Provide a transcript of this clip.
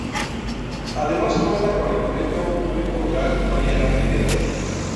Además cuenta con el Colegio Público Rural "Mariana Pineda".